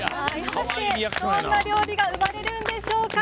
そしてどんな料理が生まれるんでしょうか。